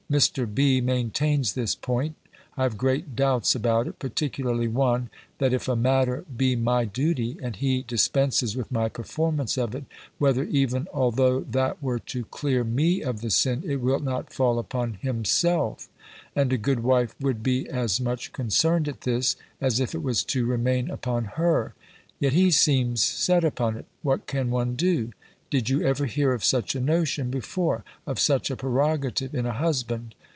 Mr. B. maintains this point. I have great doubts about it; particularly one; that if a matter be my duty, and he dispenses with my performance of it, whether, even although that were to clear me of the sin, it will not fall upon himself? And a good wife would be as much concerned at this, as if it was to remain upon her. Yet he seems set upon it. What can one do? Did you ever hear of such a notion, before? Of such a prerogative in a husband?